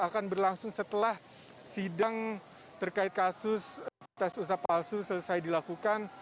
akan berlangsung setelah sidang terkait kasus tes usap palsu selesai dilakukan